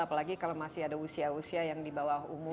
apalagi kalau masih ada usia usia yang di bawah umur